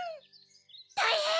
・たいへん！